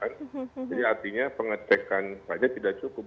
jadi artinya pengecekan saja tidak cukup